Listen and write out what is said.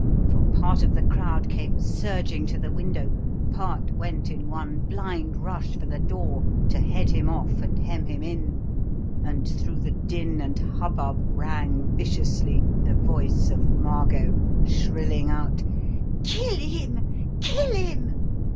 For part of the crowd came surging to the window, part went in one blind rush for the door to head him off and hem him in, and, through the din and hubbub rang viciously the voice of Margot shrilling out: "Kill him! Kill him!"